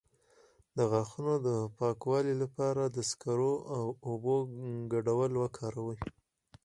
د غاښونو د پاکوالي لپاره د سکرو او اوبو ګډول وکاروئ